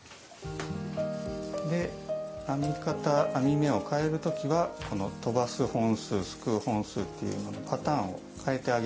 編み方編み目を変える時は飛ばす本数すくう本数というパターンを変えてあげる。